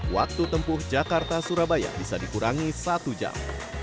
waktu tempuh jakarta surabaya bisa dikurangi satu jam